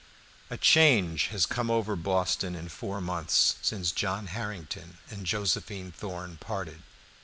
A change has come over Boston in four months, since John Harrington and Josephine Thorn parted.